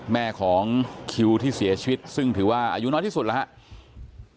แม่ของคิวที่เสียชีวิตซึ่งถือว่าอายุน้อยที่สุดแล้วครับ